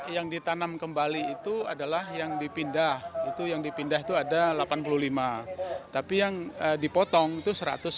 yang ditanam kembali itu adalah yang dipindah itu yang dipindah itu ada delapan puluh lima tapi yang dipotong itu satu ratus enam puluh